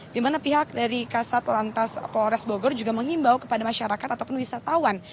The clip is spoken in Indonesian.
dimana pihak dari kasat lantas polores bogor juga menghimbau kepada masyarakat ataupun wisatawan